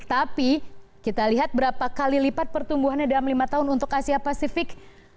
tapi kita lihat berapa kali lipat pertumbuhannya dalam lima tahun untuk asia pasifik